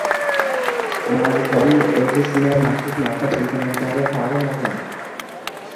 Mualliflarning oʻzi shunday maxsus maktab-internatlarda taʼlim olgan